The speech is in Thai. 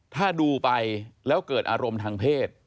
ถ้าดูไปแล้วเกิดอารมณ์ทางเพศ